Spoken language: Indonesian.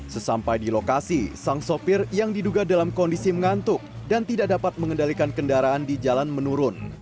sesampai di lokasi sang sopir yang diduga dalam kondisi mengantuk dan tidak dapat mengendalikan kendaraan di jalan menurun